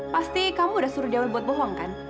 pasti kamu udah suruh jauh buat bohong kan